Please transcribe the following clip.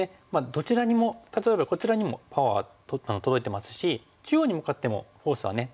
どちらにも例えばこちらにもパワー届いてますし中央に向かってもフォースは届いてますけれども。